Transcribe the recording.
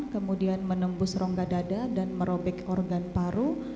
kemudian menembus rongga dada dan merobek organ paru